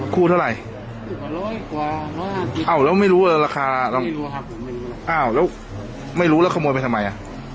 คู่เท่าไหร่อ้าวแล้วไม่รู้ว่าราคาแล้วไม่รู้แล้วขโมยไปทำไมอ่ะ